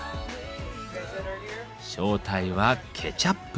正体はケチャップ。